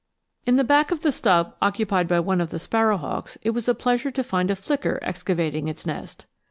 In the back of the stub occupied by one of the sparrow hawks it was a pleasure to find a flicker excavating its nest.